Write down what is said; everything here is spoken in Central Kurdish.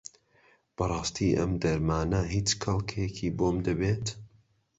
بەڕاستی ئەم دەرمانە هیچ کەڵکێکی بۆم دەبێت؟